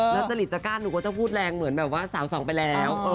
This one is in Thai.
แล้วจะลิจกล้าหนูก็จะพูดแรงเหมือนบางผู้ชายเป็นสองไปแล้ว